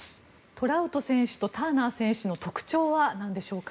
トラウト選手とターナー選手の特徴はなんでしょうか。